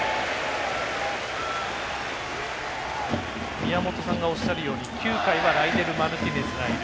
宮本さんがおっしゃるように９回はライデル・マルティネスがいる。